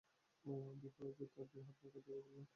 দিপা লজ্জায় দুই হাতে মুখ ঢেকে ফেলল।